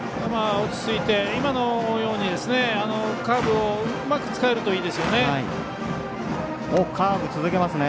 落ち着いて、今のようにカーブをうまく使えるといいですよね。